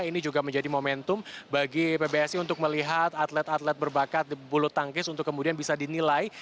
ini juga menjadi momentum bagi pbsi untuk melihat atlet atlet berbakat bulu tangkis untuk kemudian bisa dinilai